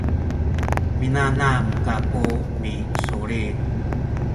minanam kaku misulit